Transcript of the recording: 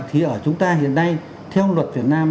thì ở chúng ta hiện nay theo luật việt nam